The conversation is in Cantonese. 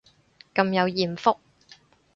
咁有艷福